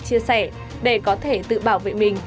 chia sẻ để có thể tự bảo vệ mình